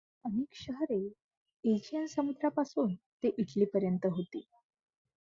अशी अनेक शहरे एजियन समुद्रापासून ते इटलीपर्यंत होती.